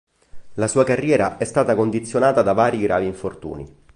La sua carriera è stata condizionata da vari gravi infortuni.